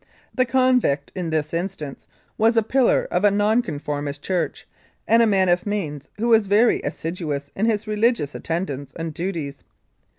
The convict, in this instance, was a pillar of a Nonconformist church and a man of means, who was very assiduous in his religious attendance and duties.